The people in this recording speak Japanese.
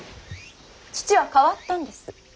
父は変わったんです。